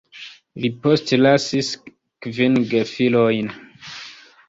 Li postlasis kvin gefilojn.